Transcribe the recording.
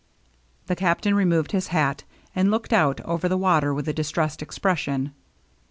The Captain removed his hat, and looked out over the water with a distressed expression.